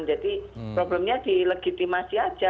jadi problemnya di legitimasi saja